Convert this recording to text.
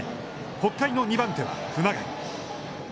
北海の２番手は熊谷。